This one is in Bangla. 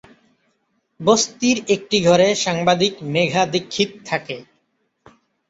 বস্তির একটি ঘরে সাংবাদিক মেঘা দীক্ষিত থাকে।